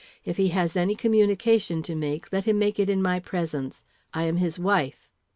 "If he has any communication to make, let him make it in my presence. I am his wife."